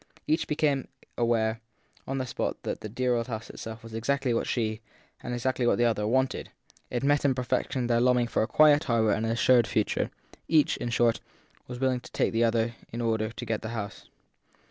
Each became aware on the spot that the dear old house itself was exactly what she, and exactly what the other, wanted; it met in perfection their longing for a quiet harbour and an assured future; each, in short, was willing to take the other in order to get the house.